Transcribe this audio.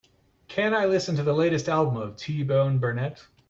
can i lesten to the latest album of T-bone Burnett